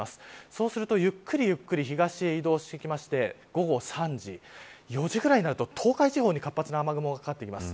そうするとゆっくり東へ移動してきまして午後３時、４時ぐらいになると東海地方に活発な雨雲がかかってきます。